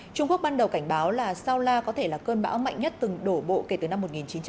trung quốc ban đầu cảnh báo là sao la có thể là cơn bão mạnh nhất từng đổ bộ kể từ năm một nghìn chín trăm chín mươi